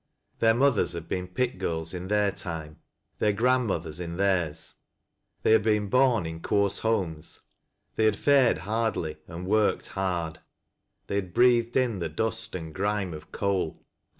Their mothers had been "pit girls" in their lime, their grandmothers in theirs ; they had been born ir. coarse homes ; they had fared hardly, and worked hard ; Ihey had' breathed in the dust and grime of coal, and.